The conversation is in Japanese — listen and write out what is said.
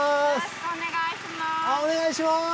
あっお願いします。